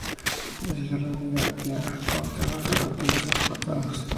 Dirigió la Liga aquea contra los etolios y los espartanos.